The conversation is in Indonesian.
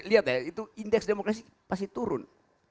lihat ya itu indeks demokrasi pasti turun